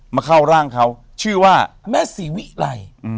มาเข้าร่างเขาชื่อว่าแม่ศรีวิไล